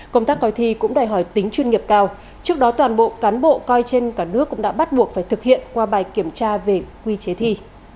công tác coi thi cũng đòi hỏi tính chuyên nghiệp cao trước đó toàn bộ cán bộ coi trên cả nước cũng đã bắt buộc phải thực hiện qua bài kiểm tra về quy chế thi